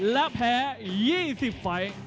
และแพ้๒๐ไฟล์